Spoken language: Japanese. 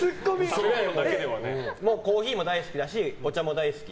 コーヒーも大好きだしお茶も大好き。